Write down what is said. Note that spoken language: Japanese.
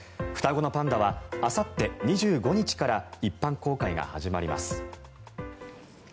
双子のパンダはあさって２５日から一般公開が始まります。